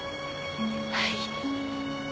はい。